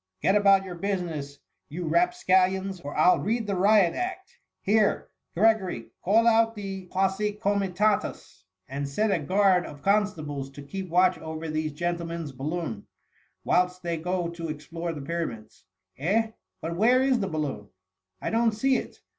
" Get m about your business, you rapscallions, or I '11 read the riot act ! Here, Gregory, call out the posse cQmitatuSy and set a guard of constables to keep watch over these gentlemen's balloon, whilst they go to explore the Pyramids. Eh ! but where is the balloon ? I don't see it.